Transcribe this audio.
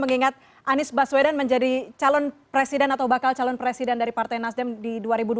mengingat anies baswedan menjadi calon presiden atau bakal calon presiden dari partai nasdem di dua ribu dua puluh